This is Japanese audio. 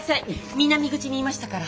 南口にいましたから。